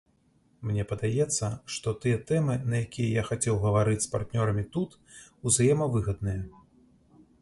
Мне падаецца, што тыя тэмы, на якія я хацеў гаварыць з партнёрамі тут, узаемавыгадныя.